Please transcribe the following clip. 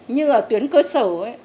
nhưng ở tuyến cơ sở ấy